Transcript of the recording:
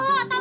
oh tau nggak